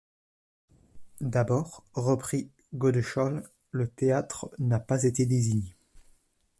D’abord, reprit Godeschal, le théâtre n’a pas été désigné.